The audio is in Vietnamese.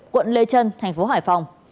quận lê trân tp hải phòng